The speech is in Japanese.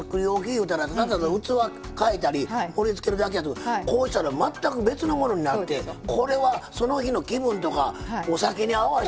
言うたら器変えたり盛りつけるだけやけどこうしたら全く別のものになってこれはその日の気分とかお酒に合わしていろいろ楽しめますね